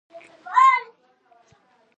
ژورې سرچینې د افغانستان د پوهنې نصاب کې شامل دي.